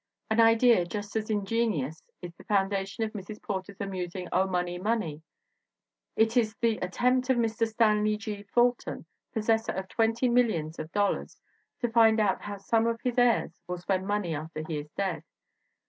An idea just as ingenious is the foundation of Mrs. Porter's amusing Oh, Money! Money! It is the at tempt of Mr. Stanley G. Fulton, possessor of twenty millions of dollars, to find out how some of his heirs will spend money after he is dead.